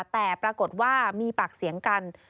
แต่ปรากฏว่ามีปากเสียงกัน